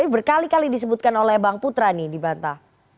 berkali kali disebutkan oleh bang putra nih di banta